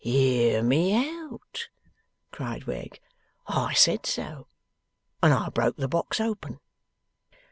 ' Hear me out!' cried Wegg. 'I said so, and I broke the box open.